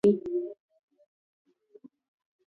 د عمر اوسط يې پنځه پنځوس کاله دی.